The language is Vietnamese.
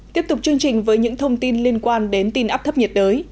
tiếp tục chương trình với những thông tin liên quan đến tin áp thấp nhiệt đới